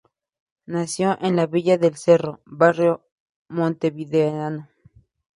Nació en la Villa del Cerro, barrio montevideano.